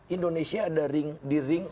indonesia ada di ring